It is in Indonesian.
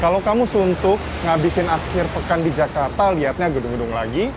kalau kamu suntuk ngabisin akhir pekan di jakarta lihatnya gedung gedung lagi